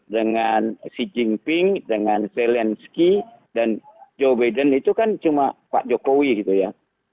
dengan xi jinping dengan zelensky dan joe biden itu kan cuma pak jokowi gitu ya